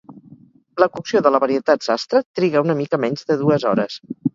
La cocció de la varietat Sastre triga una mica menys de dues hores.